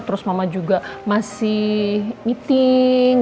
terus mama juga masih meeting